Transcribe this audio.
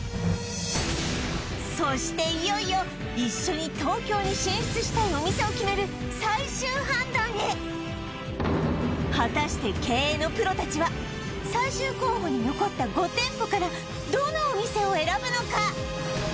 そしていよいよ一緒に東京に進出したいお店を決める最終判断へ果たして経営のプロ達は最終候補に残った５店舗からどのお店を選ぶのか？